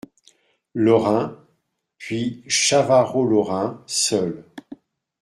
Lorin ; puis Chavarot Lorin , seul.